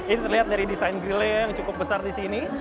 ini terlihat dari desain grillnya yang cukup besar di sini